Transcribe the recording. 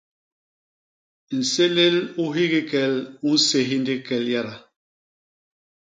Nsélél u hikii kel u nséhi ndik kel yada.